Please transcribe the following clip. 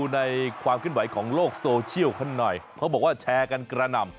ในความขึ้นไหวของโลกโซเชียลกันหน่อยเขาบอกว่าแชร์กันกระหน่ำ